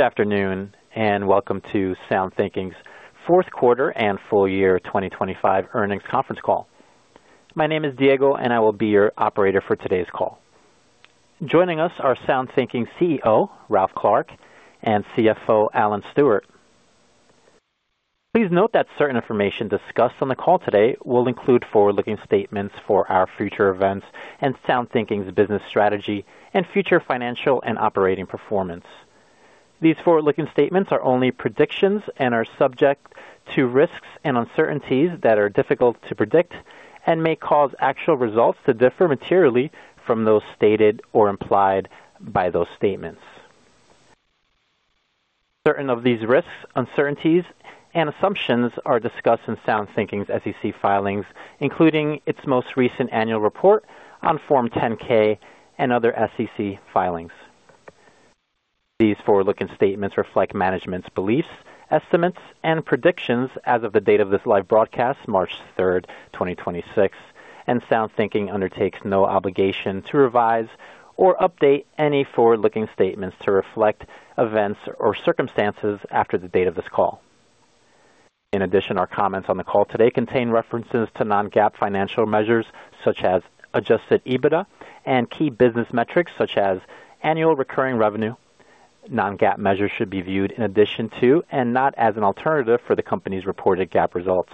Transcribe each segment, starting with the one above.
Good afternoon, and welcome to SoundThinking's fourth quarter and full year 2025 earnings conference call. My name is Diego, and I will be your operator for today's call. Joining us are SoundThinking's CEO, Ralph Clark, and CFO, Alan Stewart. Please note that certain information discussed on the call today will include forward-looking statements for our future events and SoundThinking's business strategy and future financial and operating performance. These forward-looking statements are only predictions and are subject to risks and uncertainties that are difficult to predict and may cause actual results to differ materially from those stated or implied by those statements. Certain of these risks, uncertainties, and assumptions are discussed in SoundThinking's SEC filings, including its most recent annual report on Form 10-K and other SEC filings. These forward-looking statements reflect management's beliefs, estimates, and predictions as of the date of this live broadcast, March 3rd, 2026, and SoundThinking undertakes no obligation to revise or update any forward-looking statements to reflect events or circumstances after the date of this call. In addition, our comments on the call today contain references to non-GAAP financial measures such as adjusted EBITDA and key business metrics such as annual recurring revenue. Non-GAAP measures should be viewed in addition to and not as an alternative for the company's reported GAAP results.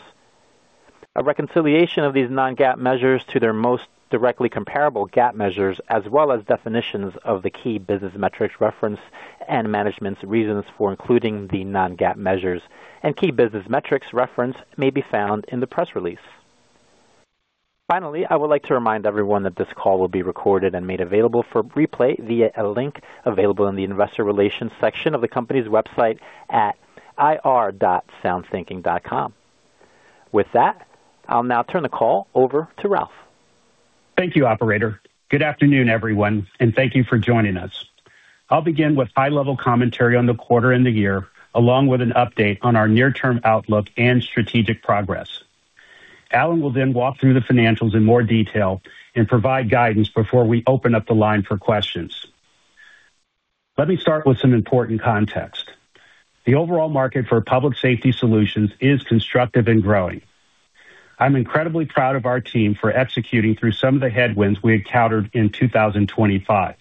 A reconciliation of these non-GAAP measures to their most directly comparable GAAP measures as well as definitions of the key business metrics referenced and management's reasons for including the non-GAAP measures and key business metrics referenced may be found in the press release. Finally, I would like to remind everyone that this call will be recorded and made available for replay via a link available in the investor relations section of the company's website at ir.soundthinking.com. With that, I'll now turn the call over to Ralph. Thank you, operator. Good afternoon, everyone, and thank you for joining us. I'll begin with high-level commentary on the quarter and the year, along with an update on our near-term outlook and strategic progress. Alan will then walk through the financials in more detail and provide guidance before we open up the line for questions. Let me start with some important context. The overall market for public safety solutions is constructive and growing. I'm incredibly proud of our team for executing through some of the headwinds we encountered in 2025.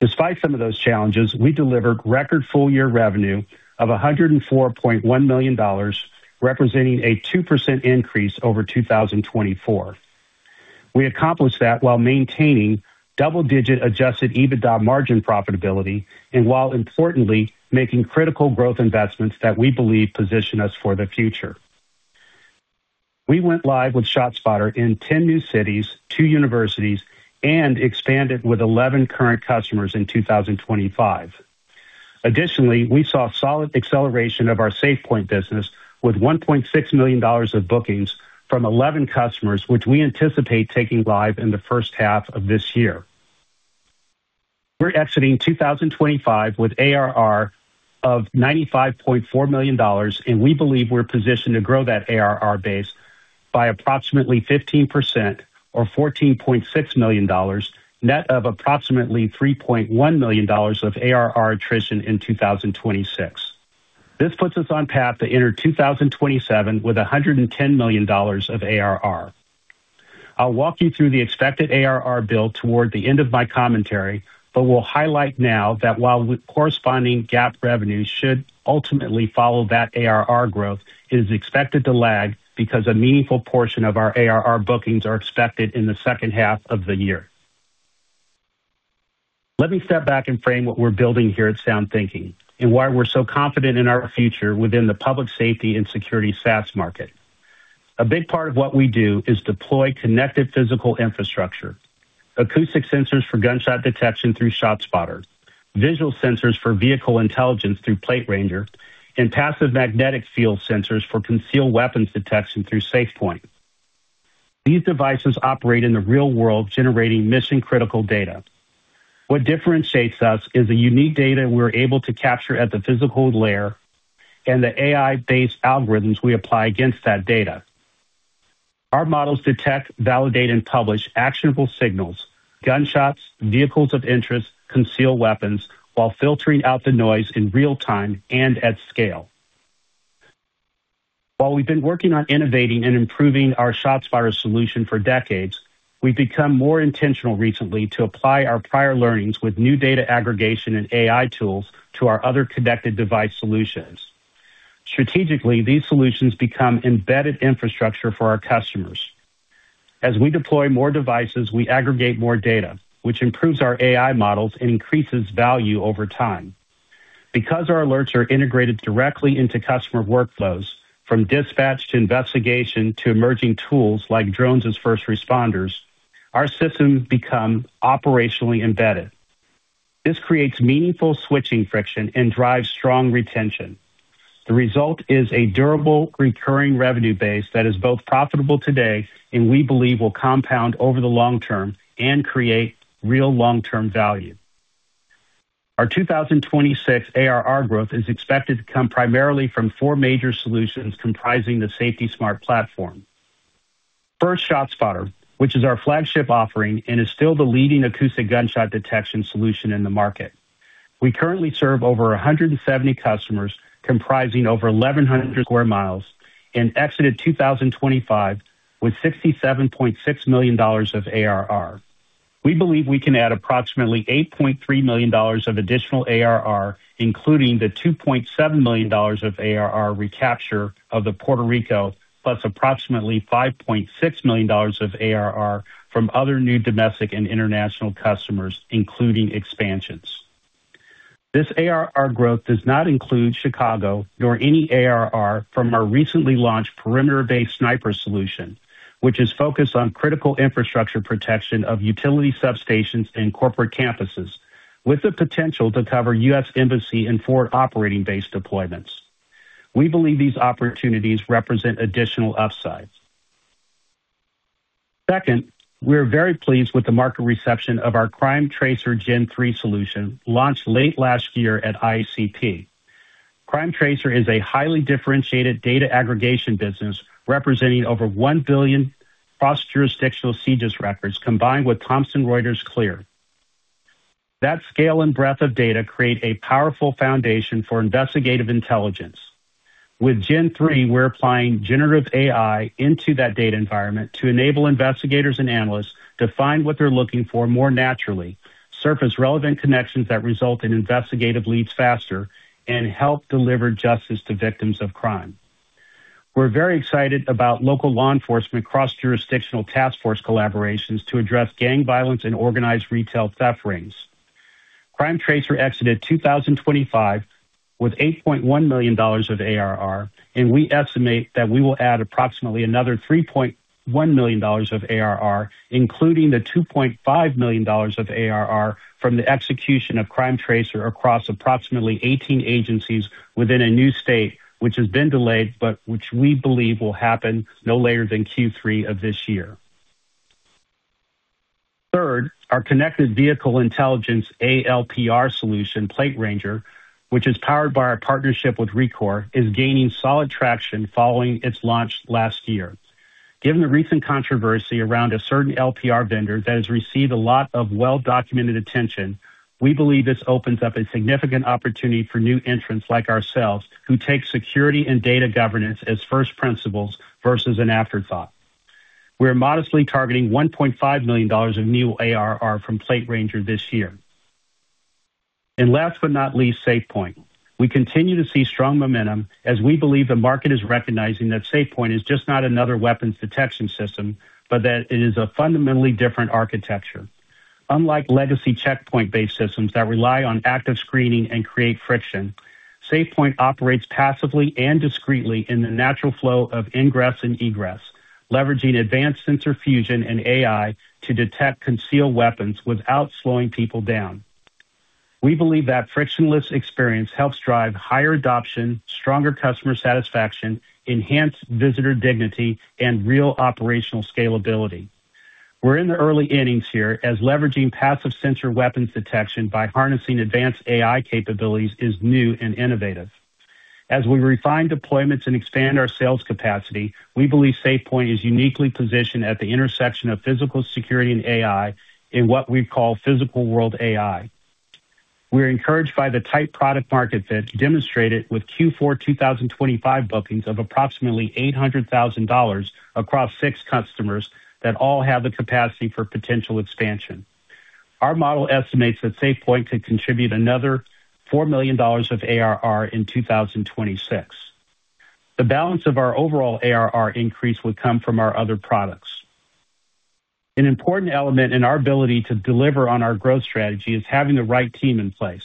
Despite some of those challenges, we delivered record full-year revenue of $104.1 million, representing a 2% increase over 2024. We accomplished that while maintaining double-digit adjusted EBITDA margin profitability and while importantly making critical growth investments that we believe position us for the future. We went live with ShotSpotter in 10 new cities, two universities, and expanded with 11 current customers in 2025. Additionally, we saw solid acceleration of our SafePointe business with $1.6 million of bookings from 11 customers, which we anticipate taking live in the first half of this year. We're exiting 2025 with ARR of $95.4 million, and we believe we're positioned to grow that ARR base by approximately 15% or $14.6 million, net of approximately $3.1 million of ARR attrition in 2026. This puts us on path to enter 2027 with $110 million of ARR. I'll walk you through the expected ARR build toward the end of my commentary, but we'll highlight now that while corresponding GAAP revenue should ultimately follow that ARR growth, it is expected to lag because a meaningful portion of our ARR bookings are expected in the second half of the year. Let me step back and frame what we're building here at SoundThinking and why we're so confident in our future within the public safety and security SaaS market. A big part of what we do is deploy connected physical infrastructure, acoustic sensors for gunshot detection through ShotSpotter, visual sensors for vehicle intelligence through PlateRanger, and passive magnetic field sensors for concealed weapons detection through SafePointe. These devices operate in the real world, generating mission-critical data. What differentiates us is the unique data we're able to capture at the physical layer and the AI-based algorithms we apply against that data. Our models detect, validate, and publish actionable signals, gunshots, vehicles of interest, concealed weapons, while filtering out the noise in real time and at scale. While we've been working on innovating and improving our ShotSpotter solution for decades, we've become more intentional recently to apply our prior learnings with new data aggregation and AI tools to our other connected device solutions. Strategically, these solutions become embedded infrastructure for our customers. As we deploy more devices, we aggregate more data, which improves our AI models and increases value over time. Because our alerts are integrated directly into customer workflows, from dispatch to investigation to emerging tools like drones as first responders, our systems become operationally embedded. This creates meaningful switching friction and drives strong retention. The result is a durable recurring revenue base that is both profitable today and we believe will compound over the long term and create real long-term value. Our 2026 ARR growth is expected to come primarily from four major solutions comprising the SafetySmart platform. First, ShotSpotter, which is our flagship offering and is still the leading acoustic gunshot detection solution in the market. We currently serve over 170 customers comprising over 1,100 sq mi and exited 2025 with $67.6 million of ARR. We believe we can add approximately $8.3 million of additional ARR, including the $2.7 million of ARR recapture of the Puerto Rico, plus approximately $5.6 million of ARR from other new domestic and international customers, including expansions. This ARR growth does not include Chicago nor any ARR from our recently launched perimeter-based sniper solution, which is focused on critical infrastructure protection of utility substations and corporate campuses with the potential to cover U.S. Embassy and Forward Operating Base deployments. We believe these opportunities represent additional upsides. We're very pleased with the market reception of our CrimeTracer Gen3 solution launched late last year at IACP. CrimeTracer is a highly differentiated data aggregation business representing over 1 billion cross-jurisdictional CJIS records combined with Thomson Reuters CLEAR. Scale and breadth of data create a powerful foundation for investigative intelligence. With Gen3, we're applying generative AI into that data environment to enable investigators and analysts to find what they're looking for more naturally, surface relevant connections that result in investigative leads faster, and help deliver justice to victims of crime. We're very excited about local law enforcement cross-jurisdictional task force collaborations to address gang violence and organized retail theft rings. CrimeTracer exited 2025 with $8.1 million of ARR, and we estimate that we will add approximately another $3.1 million of ARR, including the $2.5 million of ARR from the execution of CrimeTracer across approximately 18 agencies within a new state, which has been delayed, but which we believe will happen no later than Q3 of this year. Third, our connected vehicle intelligence ALPR solution, PlateRanger, which is powered by our partnership with Rekor, is gaining solid traction following its launch last year. Given the recent controversy around a certain LPR vendor that has received a lot of well-documented attention, we believe this opens up a significant opportunity for new entrants like ourselves who take security and data governance as first principles versus an afterthought. We're modestly targeting $1.5 million of new ARR from PlateRanger this year. Last but not least, SafePointe. We continue to see strong momentum as we believe the market is recognizing that SafePointe is just not another weapons detection system, but that it is a fundamentally different architecture. Unlike legacy checkpoint-based systems that rely on active screening and create friction, SafePointe operates passively and discreetly in the natural flow of ingress and egress, leveraging advanced sensor fusion and AI to detect concealed weapons without slowing people down. We believe that frictionless experience helps drive higher adoption, stronger customer satisfaction, enhanced visitor dignity, and real operational scalability. We're in the early innings here as leveraging passive sensor weapons detection by harnessing advanced AI capabilities is new and innovative. As we refine deployments and expand our sales capacity, we believe SafePointe is uniquely positioned at the intersection of physical security and AI in what we call Physical World AI. We're encouraged by the tight product market fit demonstrated with Q4 2025 bookings of approximately $800,000 across six customers that all have the capacity for potential expansion. Our model estimates that SafePointe could contribute another $4 million of ARR in 2026. The balance of our overall ARR increase would come from our other products. An important element in our ability to deliver on our growth strategy is having the right team in place.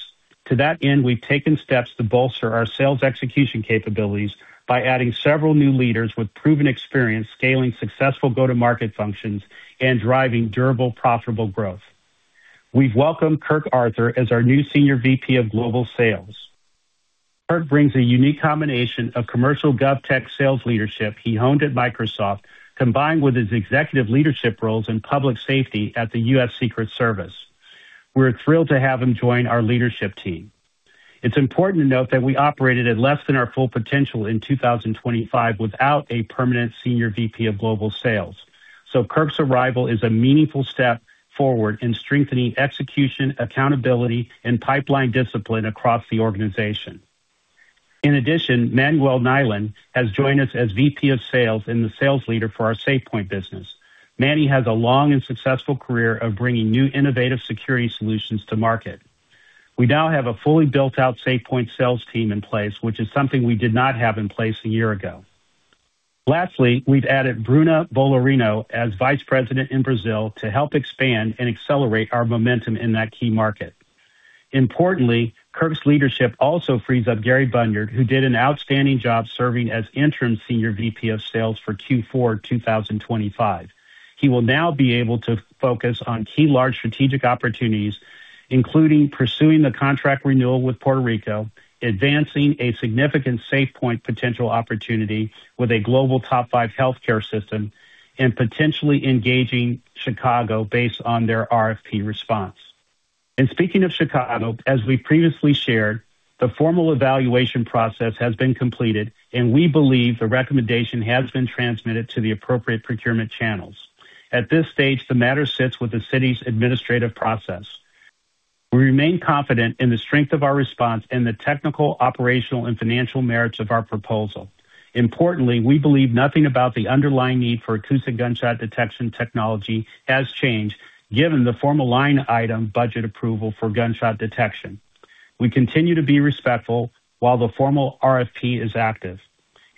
To that end, we've taken steps to bolster our sales execution capabilities by adding several new leaders with proven experience scaling successful go-to-market functions and driving durable profitable growth. We've welcomed Kirk Arthur as our new Senior VP of Global Sales. Kirk brings a unique combination of commercial gov tech sales leadership he honed at Microsoft, combined with his executive leadership roles in public safety at the U.S. Secret Service. We're thrilled to have him join our leadership team. It's important to note that we operated at less than our full potential in 2025 without a permanent Senior VP of Global Sales. Kirk's arrival is a meaningful step forward in strengthening execution, accountability, and pipeline discipline across the organization. In addition, Manuel Nylén has joined us as VP of Sales and the sales leader for our SafePointe business. Manny has a long and successful career of bringing new innovative security solutions to market. We now have a fully built-out SafePointe sales team in place, which is something we did not have in place a year ago. Lastly, we've added Bruno Bolorino as Vice President in Brazil to help expand and accelerate our momentum in that key market. Importantly, Kirk's leadership also frees up Gary Bunyard, who did an outstanding job serving as Interim Senior VP of Sales for Q4 2025. He will now be able to focus on key large strategic opportunities, including pursuing the contract renewal with Puerto Rico, advancing a significant SafePointe potential opportunity with a global top five healthcare system, and potentially engaging Chicago based on their RFP response. Speaking of Chicago, as we previously shared, the formal evaluation process has been completed, and we believe the recommendation has been transmitted to the appropriate procurement channels. At this stage, the matter sits with the city's administrative process. We remain confident in the strength of our response and the technical, operational, and financial merits of our proposal. Importantly, we believe nothing about the underlying need for acoustic gunshot detection technology has changed given the formal line item budget approval for gunshot detection. We continue to be respectful while the formal RFP is active.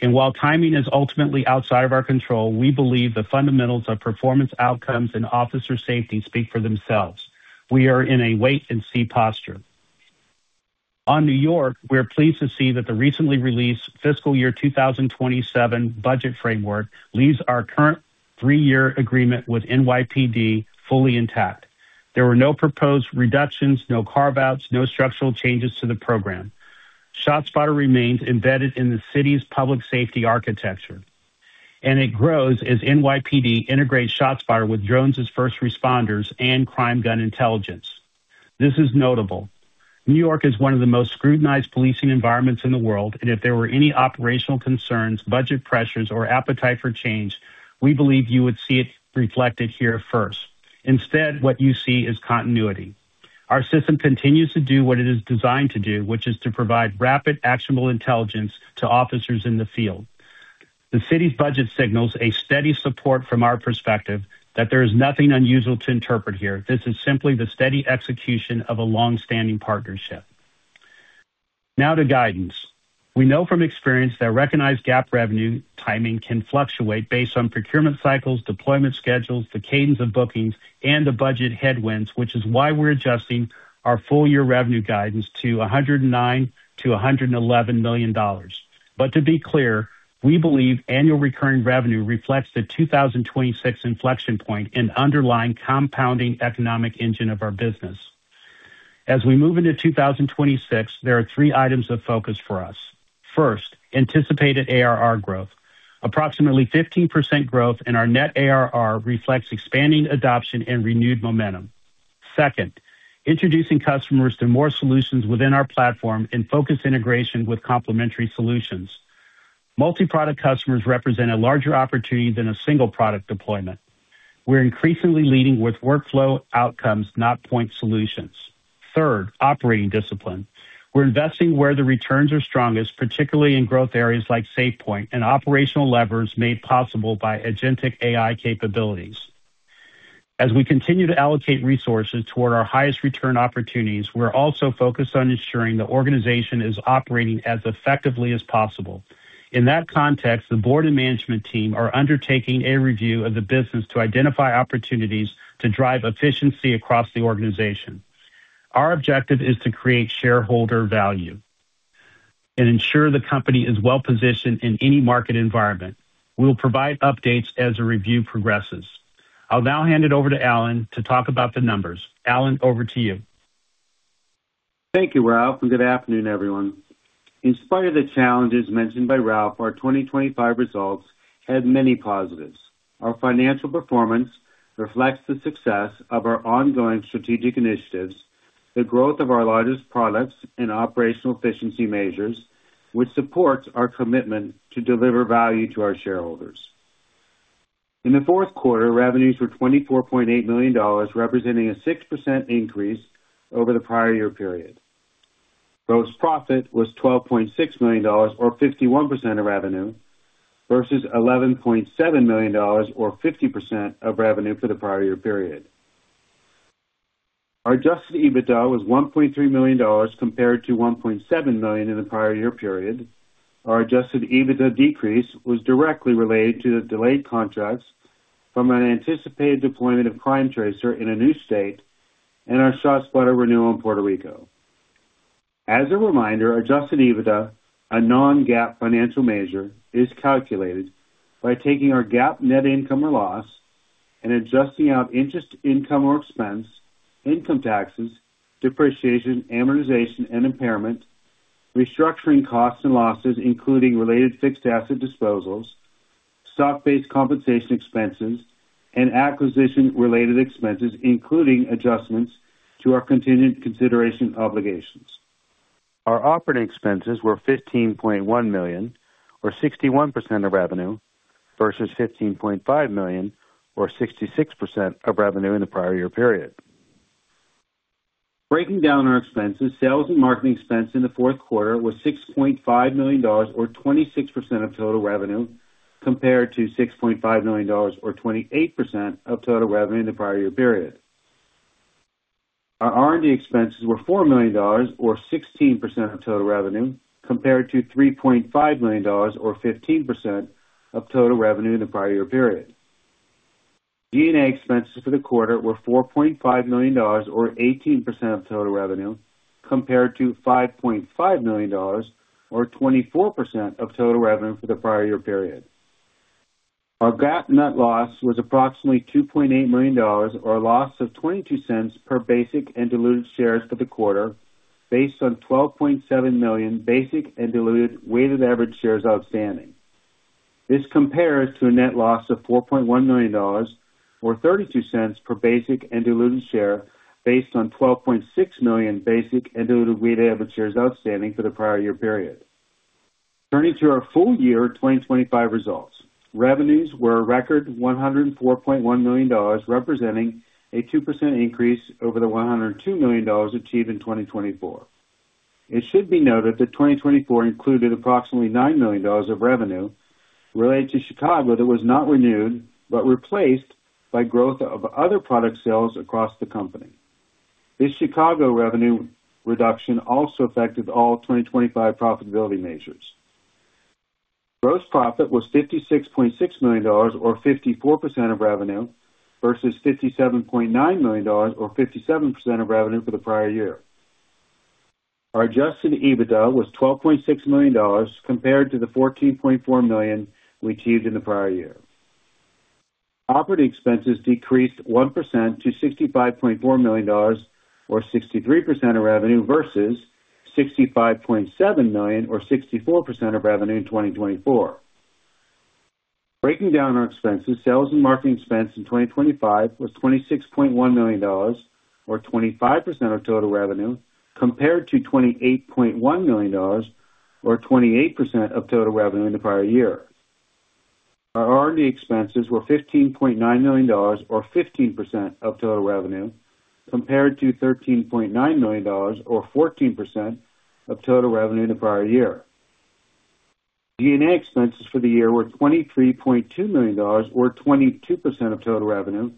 While timing is ultimately outside of our control, we believe the fundamentals of performance outcomes and officer safety speak for themselves. We are in a wait-and-see posture. On New York, we are pleased to see that the recently released fiscal year 2027 budget framework leaves our current three-year agreement with NYPD fully intact. There were no proposed reductions, no carve-outs, no structural changes to the program. ShotSpotter remains embedded in the city's public safety architecture, and it grows as NYPD integrates ShotSpotter with drones as first responders and crime gun intelligence. This is notable. New York is one of the most scrutinized policing environments in the world, and if there were any operational concerns, budget pressures, or appetite for change, we believe you would see it reflected here first. Instead, what you see is continuity. Our system continues to do what it is designed to do, which is to provide rapid actionable intelligence to officers in the field. The city's budget signals a steady support from our perspective that there is nothing unusual to interpret here. This is simply the steady execution of a long-standing partnership. To guidance. We know from experience that recognized GAAP revenue timing can fluctuate based on procurement cycles, deployment schedules, the cadence of bookings, and the budget headwinds, which is why we're adjusting our full-year revenue guidance to $109 million-$111 million. To be clear, we believe annual recurring revenue reflects the 2026 inflection point and underlying compounding economic engine of our business. As we move into 2026, there are three items of focus for us. First, anticipated ARR growth. Approximately 15% growth in our net ARR reflects expanding adoption and renewed momentum. Second, introducing customers to more solutions within our platform and focus integration with complementary solutions. Multi-product customers represent a larger opportunity than a single product deployment. We're increasingly leading with workflow outcomes, not point solutions. Third, operating discipline. We're investing where the returns are strongest, particularly in growth areas like SafePointe and operational levers made possible by agentic AI capabilities. As we continue to allocate resources toward our highest return opportunities, we're also focused on ensuring the organization is operating as effectively as possible. In that context, the board and management team are undertaking a review of the business to identify opportunities to drive efficiency across the organization. Our objective is to create shareholder value and ensure the company is well-positioned in any market environment. We'll provide updates as the review progresses. I'll now hand it over to Alan to talk about the numbers. Alan, over to you. Thank you, Ralph. Good afternoon, everyone. In spite of the challenges mentioned by Ralph, our 2025 results had many positives. Our financial performance reflects the success of our ongoing strategic initiatives, the growth of our largest products and operational efficiency measures, which supports our commitment to deliver value to our shareholders. In the fourth quarter, revenues were $24.8 million, representing a 6% increase over the prior year period. Gross profit was $12.6 million or 51% of revenue versus $11.7 million or 50% of revenue for the prior year period. Our adjusted EBITDA was $1.3 million compared to $1.7 million in the prior year period. Our adjusted EBITDA decrease was directly related to the delayed contracts from an anticipated deployment of CrimeTracer in a new state and our ShotSpotter renewal in Puerto Rico. As a reminder, adjusted EBITDA, a non-GAAP financial measure, is calculated by taking our GAAP net income or loss and adjusting out interest income or expense, income taxes, depreciation, amortization and impairment, restructuring costs and losses including related fixed asset disposals, stock-based compensation expenses, and acquisition-related expenses, including adjustments to our continued consideration obligations. Our operating expenses were $15.1 million or 61% of revenue versus $15.5 million or 66% of revenue in the prior year period. Breaking down our expenses, sales and marketing expense in the fourth quarter was $6.5 million or 26% of total revenue compared to $6.5 million or 28% of total revenue in the prior year period. Our R&D expenses were $4 million or 16% of total revenue compared to $3.5 million or 15% of total revenue in the prior year period. D&A expenses for the quarter were $4.5 million or 18% of total revenue compared to $5.5 million or 24% of total revenue for the prior year period. Our GAAP net loss was approximately $2.8 million or a loss of $0.22 per basic and diluted shares for the quarter based on 12.7 million basic and diluted weighted average shares outstanding. This compares to a net loss of $40.1 million or $0.32 per basic and diluted share based on 12.6 million basic and diluted weighted average shares outstanding for the prior year period. Turning to our full year 2025 results. Revenues were a record $104.1 million, representing a 2% increase over the $102 million achieved in 2024. It should be noted that 2024 included approximately $9 million of revenue related to Chicago that was not renewed but replaced by growth of other product sales across the company. This Chicago revenue reduction also affected all 2025 profitability measures. Gross profit was $56.6 million, or 54% of revenue, versus $57.9 million, or 57% of revenue for the prior year. Our adjusted EBITDA was $12.6 million compared to the $14.4 million we achieved in the prior year. Operating expenses decreased 1% to $65.4 million or 63% of revenue versus $65.7 million or 64% of revenue in 2024. Breaking down our expenses. Sales and marketing expense in 2025 was $26.1 million or 25% of total revenue compared to $28.1 million or 28% of total revenue in the prior year. Our R&D expenses were $15.9 million or 15% of total revenue, compared to $13.9 million or 14% of total revenue in the prior year. G&A expenses for the year were $23.2 million or 22% of total revenue,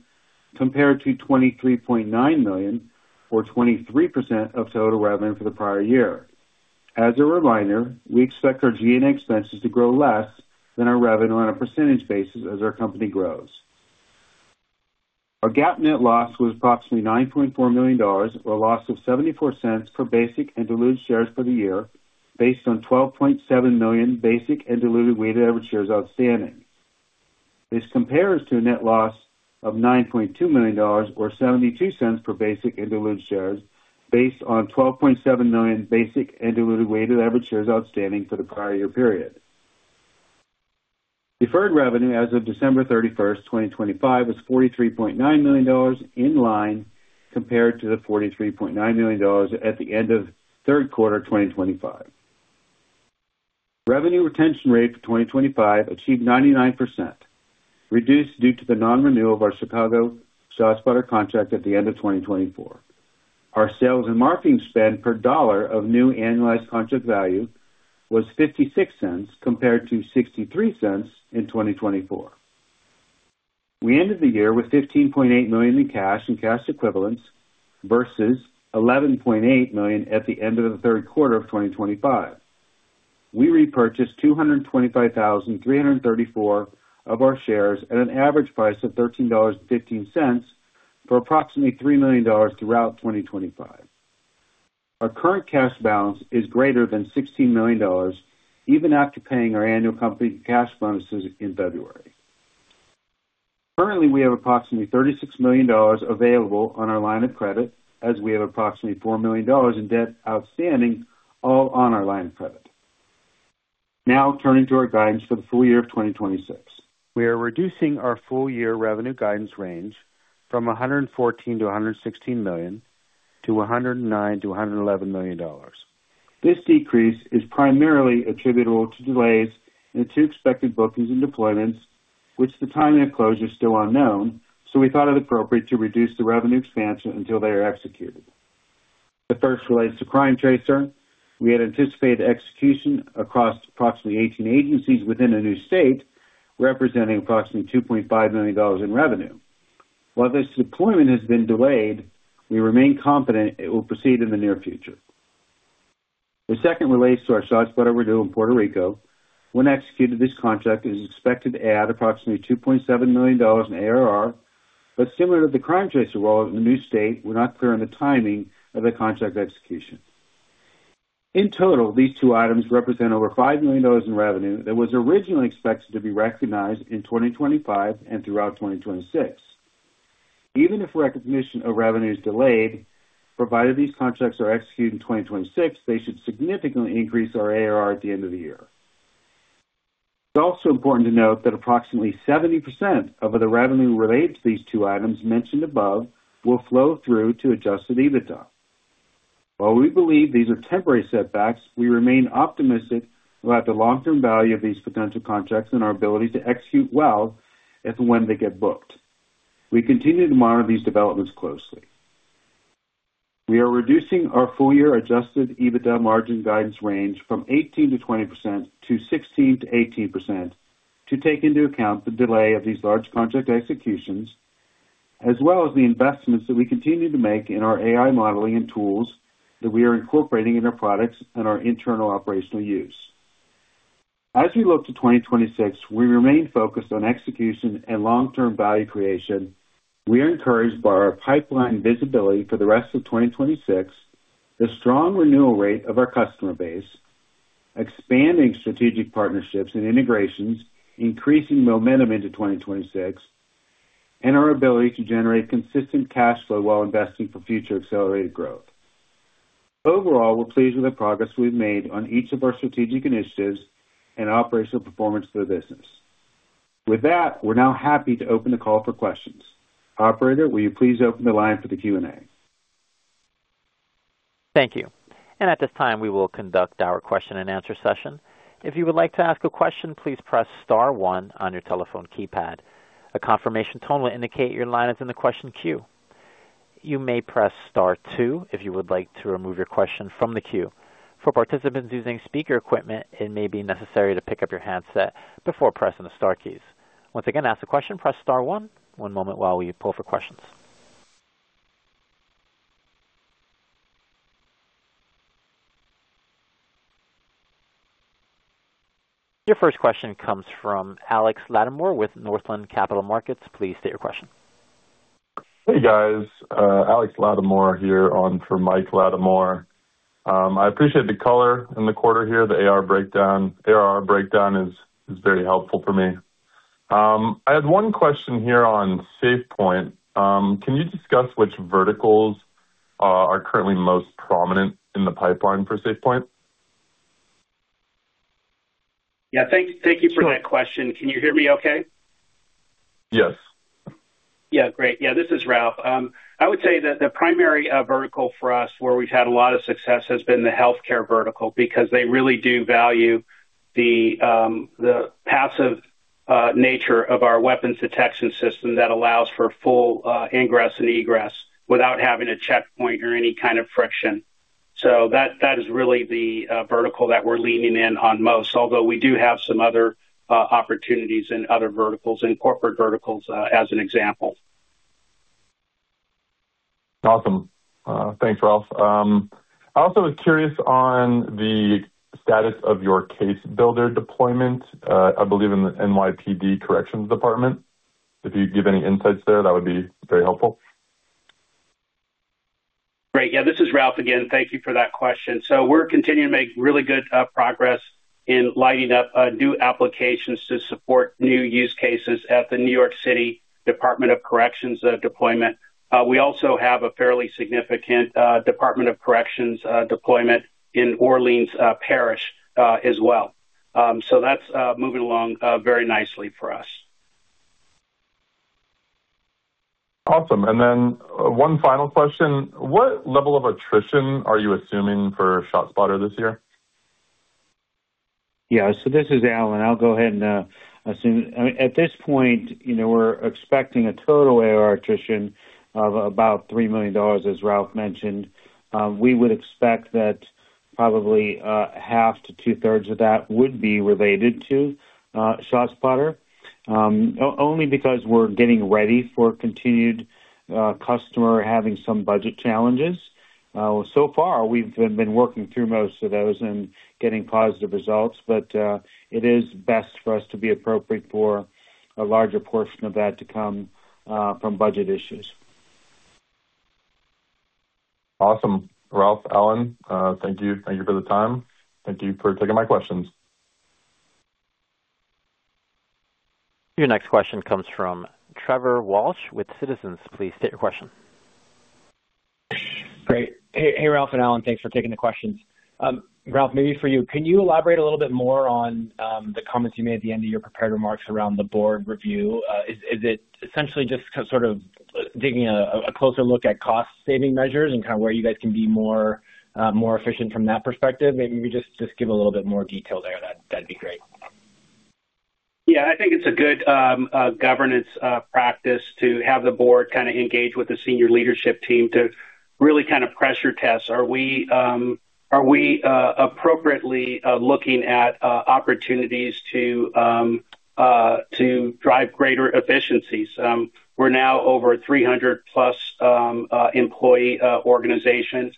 compared to $23.9 million or 23% of total revenue for the prior year. As a reminder, we expect our G&A expenses to grow less than our revenue on a percentage basis as our company grows. Our GAAP net loss was approximately $9.4 million, or a loss of $0.74 per basic and diluted shares for the year, based on 12.7 million basic and diluted weighted average shares outstanding. This compares to a net loss of $9.2 million or $0.72 per basic and diluted shares based on 12.7 million basic and diluted weighted average shares outstanding for the prior year period. Deferred revenue as of December 31st, 2025 was $43.9 million in line compared to the $43.9 million at the end of third quarter 2025. Revenue retention rate for 2025 achieved 99%, reduced due to the non-renewal of our Chicago ShotSpotter contract at the end of 2024. Our sales and marketing spend per dollar of new annualized contract value was $0.56 compared to $0.63 in 2024. We ended the year with $15.8 million in cash and cash equivalents versus $11.8 million at the end of the third quarter of 2025. We repurchased 225,334 of our shares at an average price of $13.15 for approximately $3 million throughout 2025. Our current cash balance is greater than $16 million even after paying our annual company cash bonuses in February. Currently, we have approximately $36 million available on our line of credit as we have approximately $4 million in debt outstanding, all on our line of credit. Turning to our guidance for the full year of 2026. We are reducing our full year revenue guidance range from $114 million-$116 million to $109 million-$111 million. This decrease is primarily attributable to delays in two expected bookings and deployments, which the timing of closure is still unknown. We thought it appropriate to reduce the revenue expansion until they are executed. The first relates to CrimeTracer. We had anticipated execution across approximately 18 agencies within a new state, representing approximately $2.5 million in revenue. While this deployment has been delayed, we remain confident it will proceed in the near future. The second relates to our ShotSpotter renewal in Puerto Rico. When executed, this contract is expected to add approximately $2.7 million in ARR. Similar to the CrimeTracer role in the new state, we're not clear on the timing of the contract execution. In total, these two items represent over $5 million in revenue that was originally expected to be recognized in 2025 and throughout 2026. Even if recognition of revenue is delayed, provided these contracts are executed in 2026, they should significantly increase our ARR at the end of the year. It's also important to note that approximately 70% of the revenue related to these two items mentioned above will flow through to adjusted EBITDA. While we believe these are temporary setbacks, we remain optimistic about the long-term value of these potential contracts and our ability to execute well if and when they get booked. We continue to monitor these developments closely. We are reducing our full year adjusted EBITDA margin guidance range from 18%-20% to 16%-18% to take into account the delay of these large contract executions, as well as the investments that we continue to make in our AI modeling and tools that we are incorporating in our products and our internal operational use. As we look to 2026, we remain focused on execution and long-term value creation. We are encouraged by our pipeline visibility for the rest of 2026, the strong renewal rate of our customer base, expanding strategic partnerships and integrations, increasing momentum into 2026, and our ability to generate consistent cash flow while investing for future accelerated growth. Overall, we're pleased with the progress we've made on each of our strategic initiatives and operational performance for the business. With that, we're now happy to open the call for questions. Operator, will you please open the line for the Q&A? Thank you. At this time, we will conduct our question-and-answer session. If you would like to ask a question, please press star one on your telephone keypad. A confirmation tone will indicate your line is in the question queue. You may press star two if you would like to remove your question from the queue. For participants using speaker equipment, it may be necessary to pick up your handset before pressing the star keys. Once again, to ask a question, press star one. One moment while we pull for questions. Your first question comes from Alex Latimore with Northland Capital Markets. Please state your question. Hey, guys, Alex Latimore here on for Mike Latimore. I appreciate the color in the quarter here. The AR breakdown. ARR breakdown is very helpful for me. I had one question here on SafePointe. Can you discuss which verticals are currently most prominent in the pipeline for SafePointe? Yeah. Thank you for that question. Can you hear me okay? Yes. Yeah. Great. Yeah, this is Ralph. I would say that the primary vertical for us where we've had a lot of success has been the healthcare vertical because they really do value the passive nature of our Weapons Detection System that allows for full ingress and egress without having a checkpoint or any kind of friction. That is really the vertical that we're leaning in on most, although we do have some other opportunities in other verticals, in corporate verticals, as an example. Awesome. thanks, Ralph. I also was curious on the status of your CaseBuilder deployment, I believe in the NYPD Corrections Department. If you could give any insights there, that would be very helpful. Great. Yeah, this is Ralph again. Thank you for that question. We're continuing to make really good progress in lighting up new applications to support new use cases at the New York City Department of Correction deployment. We also have a fairly significant Department of Corrections deployment in Orleans Parish as well. That's moving along very nicely for us. Awesome. One final question? What level of attrition are you assuming for ShotSpotter this year? This is Alan. I'll go ahead and assume. I mean, at this point, you know, we're expecting a total ARR attrition of about $3 million, as Ralph mentioned. We would expect that probably half to two thirds of that would be related to ShotSpotter, only because we're getting ready for continued customer having some budget challenges. So far we've been working through most of those and getting positive results, it is best for us to be appropriate for a larger portion of that to come from budget issues. Awesome. Ralph, Alan, thank you. Thank you for the time. Thank you for taking my questions. Your next question comes from Trevor Walsh with Citizens. Please state your question. Great. Hey, Ralph and Alan. Thanks for taking the questions. Ralph, maybe for you, can you elaborate a little bit more on the comments you made at the end of your prepared remarks around the board review? Is it essentially just sort of taking a closer look at cost saving measures and kind of where you guys can be more efficient from that perspective? Maybe just give a little bit more detail there. That'd be great. Yeah. I think it's a good governance practice to have the board kind of engage with the senior leadership team to really kind of pressure test. Are we appropriately looking at opportunities to drive greater efficiencies? We're now over 300+ employee organization.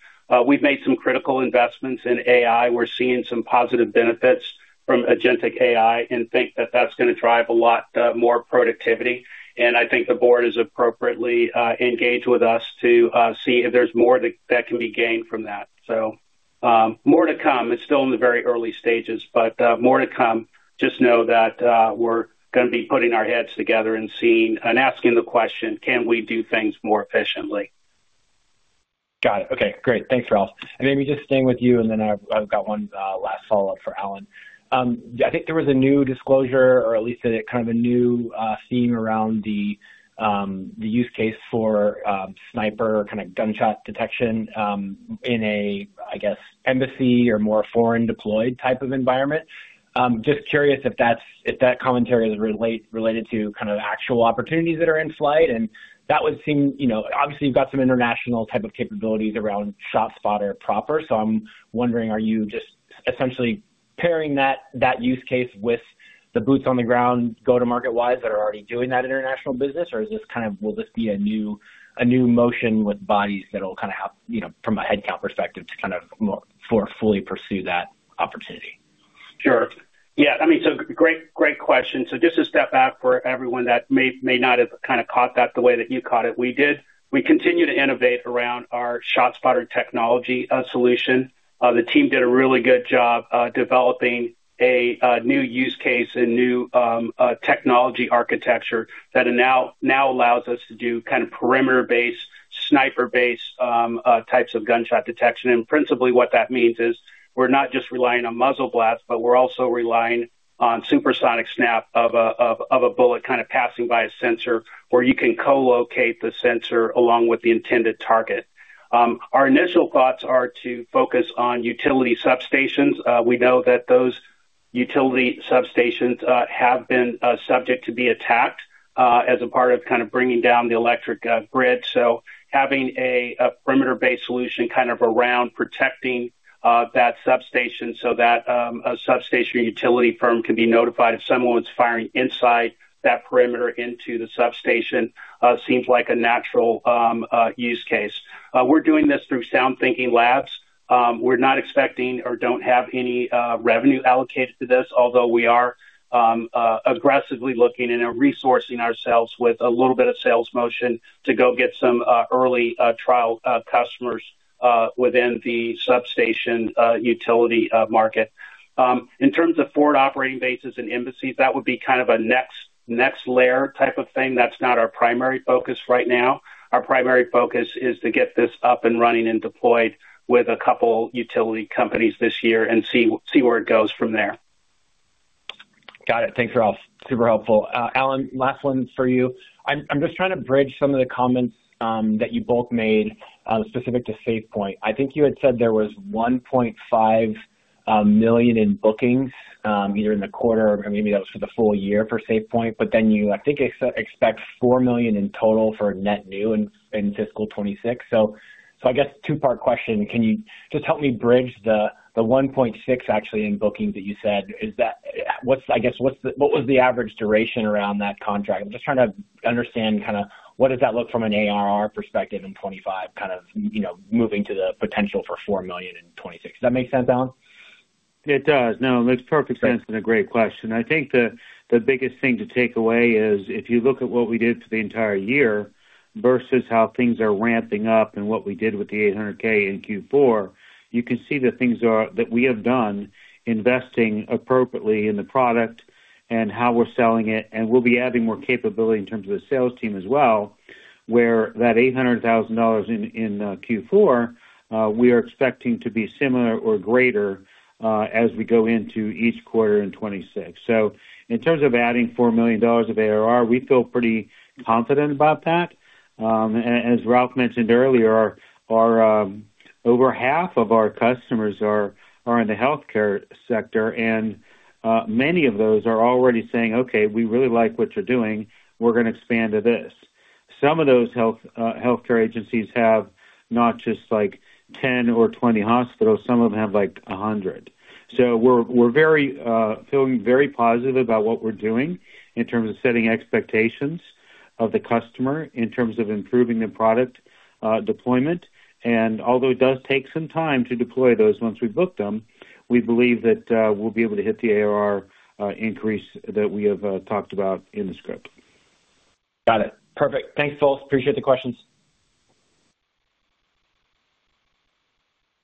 We've made some critical investments in AI. We're seeing some positive benefits from agentic AI and think that that's gonna drive a lot more productivity. I think the board is appropriately engaged with us to see if there's more that can be gained from that. More to come. It's still in the very early stages, but more to come. Just know that, we're gonna be putting our heads together and seeing and asking the question, "Can we do things more efficiently? Got it. Okay, great. Thanks, Ralph. Maybe just staying with you, and then I've got one last follow-up for Alan. I think there was a new disclosure or at least kind of a new theme around the use case for sniper kind of gunshot detection in a, I guess, embassy or more foreign deployed type of environment. Just curious if that commentary is related to kind of actual opportunities that are in flight. That would seem, you know, obviously you've got some international type of capabilities around ShotSpotter proper, so I'm wondering, are you just essentially pairing that use case with the boots on the ground go to market wide that are already doing that international business, or is this kind of will this be a new motion with bodies that'll kind of have, you know, from a headcount perspective to kind of fully pursue that opportunity? Sure. Yeah. I mean, great question. Just to step back for everyone that may not have kind of caught that the way that you caught it, we did. We continue to innovate around our ShotSpotter technology solution. The team did a really good job developing a new use case, a new technology architecture that now allows us to do kind of perimeter-based sniper-based types of gunshot detection. Principally what that means is we're not just relying on muzzle blasts, but we're also relying on supersonic snap of a bullet kind of passing by a sensor where you can co-locate the sensor along with the intended target. Our initial thoughts are to focus on utility substations. We know that those utility substations have been subject to be attacked as a part of kind of bringing down the electric grid. Having a perimeter-based solution kind of around protecting that substation so that a substation utility firm can be notified if someone's firing inside that perimeter into the substation seems like a natural use case. We're doing this through SoundThinking Labs. We're not expecting or don't have any revenue allocated to this, although we are aggressively looking and are resourcing ourselves with a little bit of sales motion to go get some early trial customers within the substation utility market. In terms of forward operating bases and embassies, that would be kind of a next layer type of thing. That's not our primary focus right now. Our primary focus is to get this up and running and deployed with a couple utility companies this year and see where it goes from there. Got it. Thanks, Ralph. Super helpful. Alan, last one for you. I'm just trying to bridge some of the comments that you both made specific to SafePointe. I think you had said there was $1.5 million in bookings either in the quarter or maybe that was for the full year for SafePointe, but then you, I think, expects $4 million in total for net new in fiscal 2026. I guess two-part question, can you just help me bridge the $1.6 actually in bookings that you said? Is that? I guess, what was the average duration around that contract? I'm just trying to understand kind of what does that look from an ARR perspective in 2025, kind of, you know, moving to the potential for $4 million in 2026. Does that make sense, Alan? It does. No, it makes perfect sense. Great A great question. I think the biggest thing to take away is if you look at what we did for the entire year versus how things are ramping up and what we did with the $800K in Q4, you can see the things are that we have done investing appropriately in the product and how we're selling it, and we'll be adding more capability in terms of the sales team as well, where that $800,000 in Q4, we are expecting to be similar or greater, as we go into each quarter in 2026. In terms of adding $4 million of ARR, we feel pretty confident about that. As Ralph mentioned earlier, our over half of our customers are in the healthcare sector, many of those are already saying, "Okay, we really like what you're doing. We're gonna expand to this." Some of those healthcare agencies have not just like 10 or 20 hospitals, some of them have like 100. We're feeling very positive about what we're doing in terms of setting expectations of the customer, in terms of improving the product deployment. Although it does take some time to deploy those once we book them, we believe that we'll be able to hit the ARR increase that we have talked about in the script. Got it. Perfect. Thanks, folks. Appreciate the questions.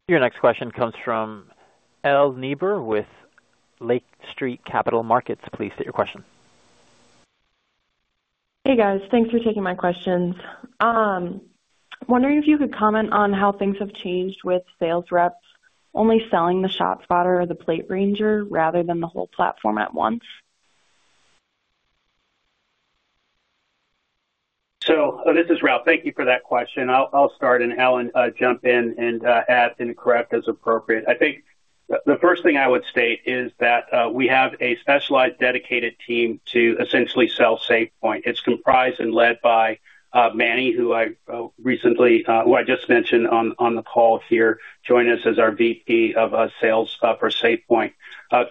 Your next question comes from Elle Niebuhr with Lake Street Capital Markets. Please state your question. Hey, guys. Thanks for taking my questions. Wondering if you could comment on how things have changed with sales reps only selling the ShotSpotter or the PlateRanger rather than the whole platform at once. This is Ralph. Thank you for that question. I'll start, and Alan, jump in and add and correct as appropriate. I think the first thing I would state is that we have a specialized, dedicated team to essentially sell SafePointe. It's comprised and led by Manny, who I recently, who I just mentioned on the call here, joined us as our VP of sales for SafePointe.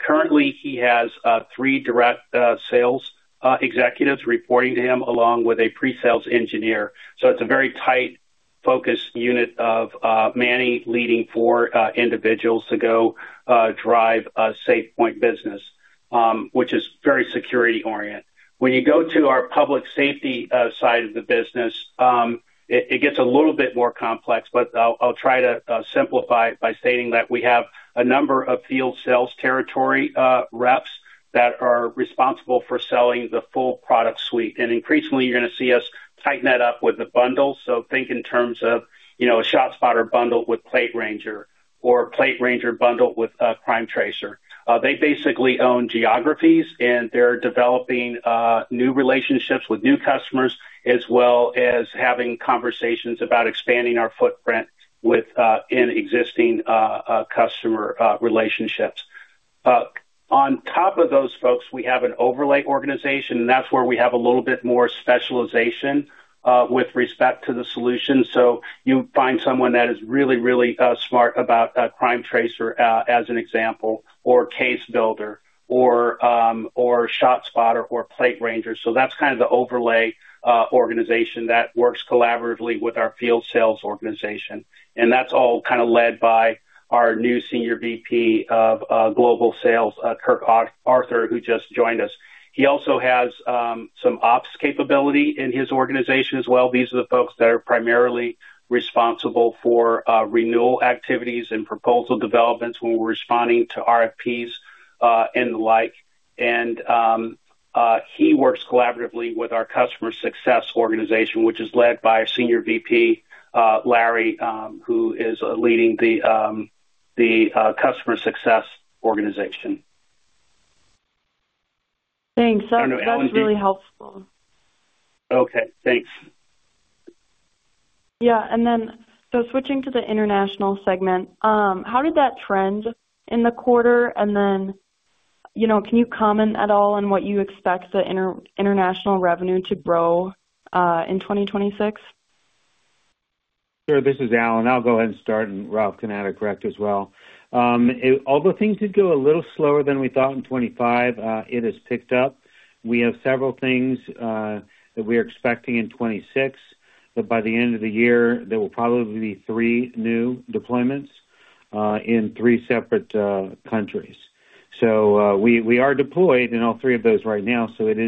Currently, he has three direct sales executives reporting to him, along with a pre-sales engineer. It's a very tight, focused unit of Manny leading four individuals to go drive a SafePointe business, which is very security-oriented. When you go to our public safety side of the business, it gets a little bit more complex, but I'll try to simplify it by stating that we have a number of field sales territory reps that are responsible for selling the full product suite. Increasingly, you're gonna see us tighten that up with the bundle. Think in terms of, you know, a ShotSpotter bundle with PlateRanger or PlateRanger bundled with CrimeTracer. They basically own geographies, and they're developing new relationships with new customers, as well as having conversations about expanding our footprint with in existing customer relationships. On top of those folks, we have an overlay organization, and that's where we have a little bit more specialization with respect to the solution. You find someone that is really, really smart about CrimeTracer as an example, or CaseBuilder or ShotSpotter or PlateRanger. That's kind of the overlay organization that works collaboratively with our field sales organization. That's all kind of led by our new Senior VP of Global Sales, Kirk Arthur, who just joined us. He also has some ops capability in his organization as well. These are the folks that are primarily responsible for renewal activities and proposal developments when we're responding to RFPs and the like. He works collaboratively with our customer success organization, which is led by Senior VP, Larry, who is leading the customer success organization. Thanks. I know Alan's being- That's really helpful. Okay, thanks. Yeah. Switching to the international segment, how did that trend in the quarter? You know, can you comment at all on what you expect the international revenue to grow in 2026? Sure. This is Alan. I'll go ahead and start, and Ralph can add or correct as well. Although things did go a little slower than we thought in 2025, it has picked up. We have several things that we are expecting in 2026, that by the end of the year, there will probably be three new deployments in three separate countries. We are deployed in all three of those right now. It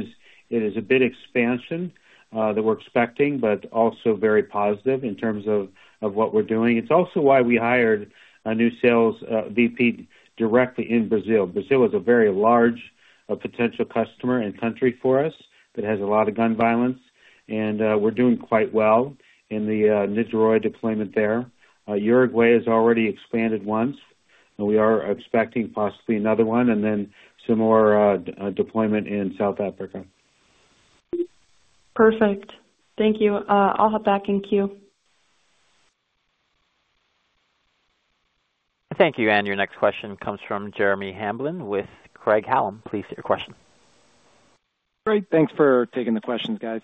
is a bit expansion that we're expecting, but also very positive in terms of what we're doing. It's also why we hired a new sales VP directly in Brazil. Brazil is a very large potential customer and country for us that has a lot of gun violence. We're doing quite well in the Niterói deployment there. Uruguay has already expanded once, and we are expecting possibly another one, and then some more deployment in South Africa. Perfect. Thank you. I'll hop back in queue. Thank you. Your next question comes from Jeremy Hamblin with Craig-Hallum. Please state your question. Great. Thanks for taking the questions, guys.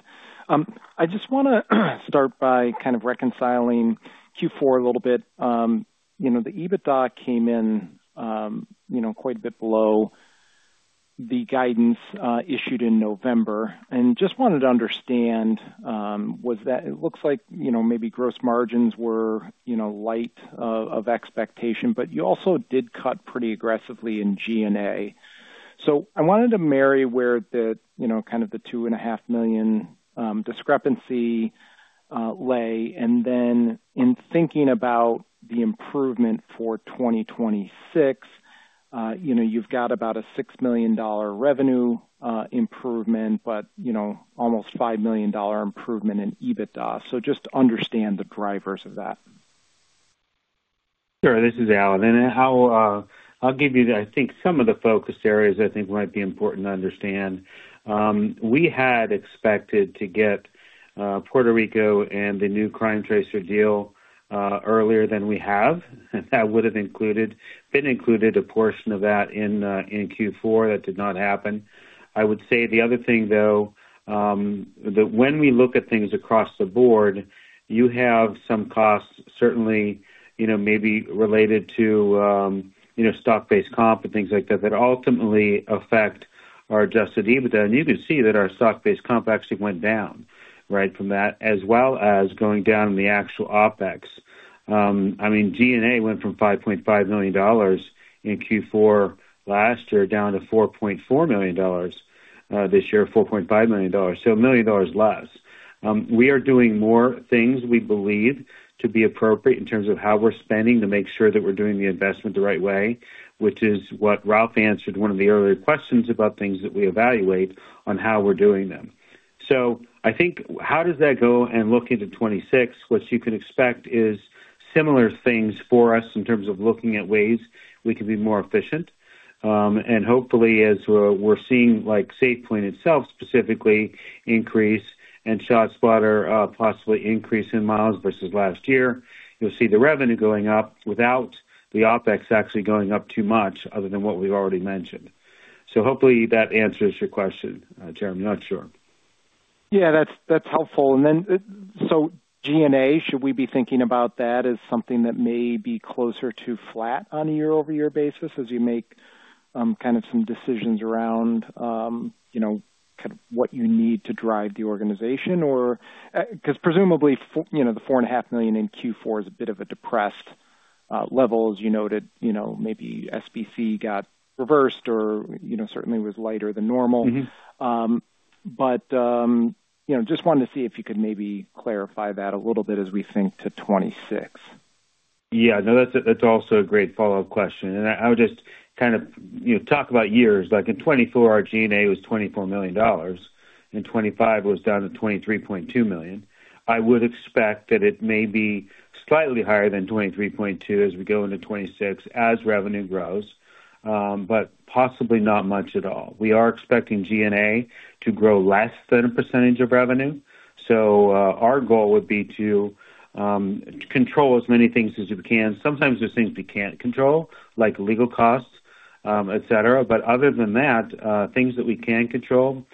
I just wanna start by kind of reconciling Q4 a little bit. You know, the EBITDA came in, you know, quite a bit below the guidance issued in November. Just wanted to understand, was that. It looks like, you know, maybe gross margins were, you know, light of expectation, but you also did cut pretty aggressively in G&A. I wanted to marry where the, you know, kind of the $2.5 million discrepancy lay. In thinking about the improvement for 2026, you know, you've got about a $6 million revenue improvement, but, you know, almost $5 million improvement in EBITDA. Just understand the drivers of that. Sure. This is Alan, and I'll give you the, I think, some of the focus areas I think might be important to understand. We had expected to get Puerto Rico and the new CrimeTracer deal earlier than we have. That would have been included a portion of that in Q4. That did not happen. I would say the other thing, though, that when we look at things across the board, you have some costs certainly, you know, maybe related to, you know, stock-based comp and things like that ultimately affect our adjusted EBITDA. You can see that our stock-based comp actually went down right from that, as well as going down the actual OpEx. I mean, G&A went from $5.5 million in Q4 last year, down to $4.4 million this year, $4.5 million, so $1 million less. We are doing more things we believe to be appropriate in terms of how we're spending to make sure that we're doing the investment the right way, which is what Ralph answered one of the earlier questions about things that we evaluate on how we're doing them. I think how does that go and look into 2026? What you can expect is similar things for us in terms of looking at ways we can be more efficient. Hopefully, as we're seeing, like SafePointe itself specifically increase and ShotSpotter possibly increase in miles versus last year, you'll see the revenue going up without the OpEx actually going up too much other than what we've already mentioned. Hopefully that answers your question, Jeremy. I'm not sure. Yeah, that's helpful. G&A, should we be thinking about that as something that may be closer to flat on a year-over-year basis as you make, kind of some decisions around, you know, kind of what you need to drive the organization? 'Cause presumably you know, the $4.5 million in Q4 is a bit of a depressed level. As you noted, you know, maybe SBC got reversed or, you know, certainly was lighter than normal. Mm-hmm. You know, just wanted to see if you could maybe clarify that a little bit as we think to 2026. Yeah. No, that's also a great follow-up question, and I would just kind of, you know, talk about years. Like in 2024, our G&A was $24 million. In 2025, it was down to $23.2 million. I would expect that it may be slightly higher than $23.2 million as we go into 2026 as revenue grows, possibly not much at all. We are expecting G&A to grow less than a percentage of revenue, our goal would be to control as many things as we can. Sometimes there's things we can't control, like legal costs, et cetera. Other than that, things that we can control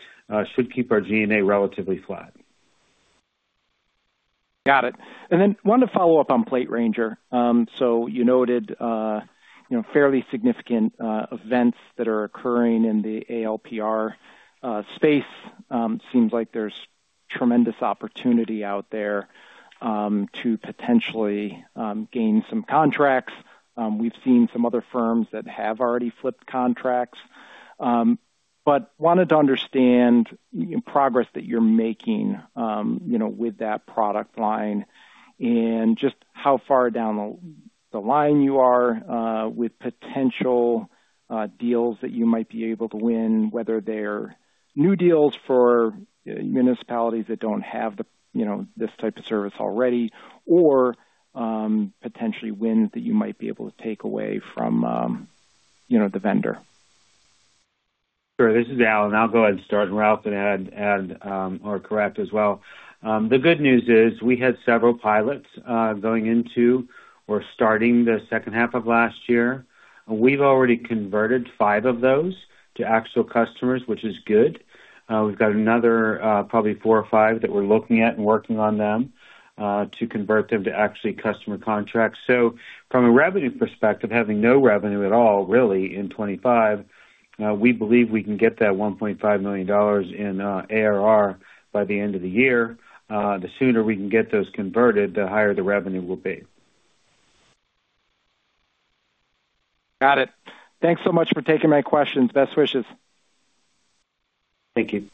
should keep our G&A relatively flat. Got it. Then wanted to follow up on PlateRanger. So you noted, you know, fairly significant events that are occurring in the ALPR space. Seems like there's tremendous opportunity out there to potentially gain some contracts. We've seen some other firms that have already flipped contracts. But wanted to understand progress that you're making, you know, with that product line and just how far down the line you are with potential deals that you might be able to win, whether they're new deals for municipalities that don't have the, you know, this type of service already or potentially wins that you might be able to take away from, you know, the vendor. Sure. This is Al, I'll go ahead and start, Ralph can add or correct as well. The good news is we had several pilots going into or starting the second half of last year. We've already converted five of those to actual customers, which is good. We've got another, probably four or five that we're looking at and working on them to convert them to actually customer contracts. From a revenue perspective, having no revenue at all, really, in 2025, we believe we can get that $1.5 million in ARR by the end of the year. The sooner we can get those converted, the higher the revenue will be. Got it. Thanks so much for taking my questions. Best wishes. Thank you.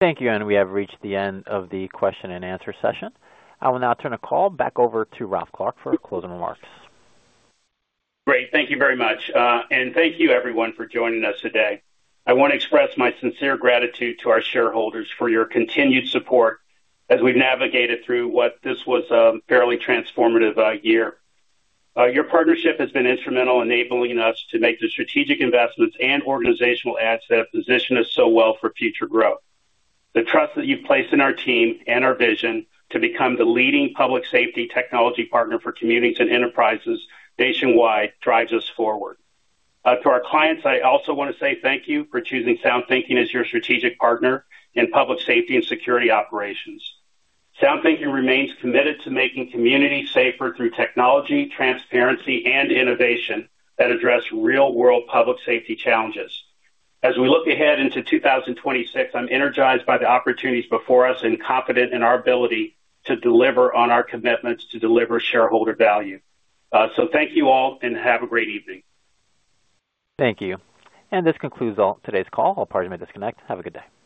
Thank you. We have reached the end of the question and answer session. I will now turn the call back over to Ralph Clark for closing remarks. Great. Thank you very much. Thank you everyone for joining us today. I want to express my sincere gratitude to our shareholders for your continued support as we've navigated through what this was a fairly transformative year. Your partnership has been instrumental enabling us to make the strategic investments and organizational assets position us so well for future growth. The trust that you've placed in our team and our vision to become the leading public safety technology partner for communities and enterprises nationwide drives us forward. To our clients, I also want to say thank you for choosing SoundThinking as your strategic partner in public safety and security operations. SoundThinking remains committed to making communities safer through technology, transparency and innovation that address real world public safety challenges. As we look ahead into 2026, I'm energized by the opportunities before us and confident in our ability to deliver on our commitments to deliver shareholder value. Thank you all and have a great evening. Thank you. This concludes all today's call. All parties may disconnect. Have a good day.